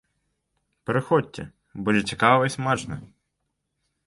Прыходзьце, будзе цікава і смачна!